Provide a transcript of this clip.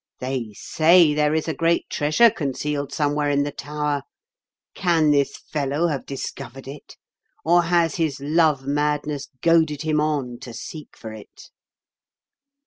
They say there is a great treasure concealed some where in the tower. Can this fellow have discovered it, or has his love madness goaded him on to seek for it